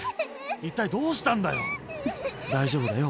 一体どうしたんだよ大丈夫だよ